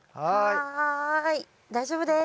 はい大丈夫です。